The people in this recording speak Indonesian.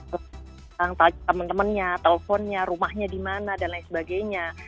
tentang temen temennya telponnya rumahnya dimana dan lain sebagainya